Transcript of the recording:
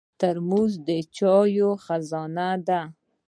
ترموز د چایو خزانه ده.